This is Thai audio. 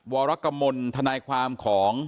วรกมลทนายความของ